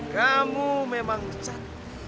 kamu memang cat